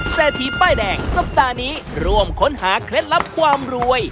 เศรษฐีป้ายแดงสัปดาห์นี้ร่วมค้นหาเคล็ดลับความรวย